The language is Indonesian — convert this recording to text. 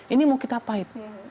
ini mau kita pahit